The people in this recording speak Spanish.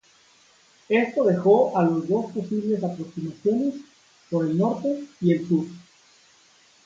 Esto dejó a los dos posibles aproximaciones: por el norte y el sur.